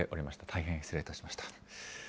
大変失礼いたしました。